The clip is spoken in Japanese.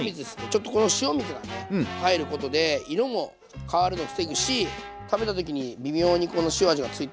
ちょっとこの塩水がね入ることで色も変わるの防ぐし食べた時に微妙にこの塩味がついてるのですごくおいしくなります。